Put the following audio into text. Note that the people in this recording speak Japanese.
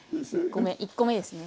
１個目ですね。